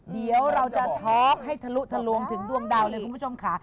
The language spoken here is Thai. เดี๋ยวเราจะท็อกให้ทะลุทะลวงถึงดวงดาวเลยคุณผู้ชมค่ะ